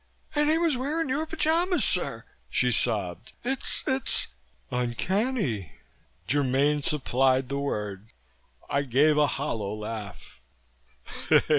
"And he was wearing your pyjamas, sir," she sobbed. "It's it's " "Uncanny," Germaine supplied the word. I gave a hollow laugh.